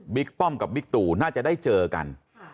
ป้อมกับบิ๊กตู่น่าจะได้เจอกัน